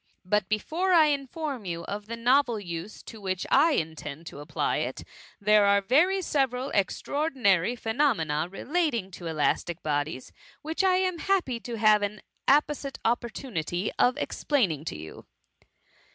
But be fore I inform you of the novel use to which I in tend to apply it ; there are several very extraor dinary phenomcnarelating toelastic bodies, which I am happy to have an apposite opportunity of explaining to you.